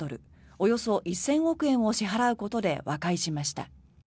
およそ１０００億円を支払うことで和解しました。